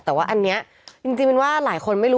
แต่ว่าอันนี้จริงเป็นว่าหลายคนไม่รู้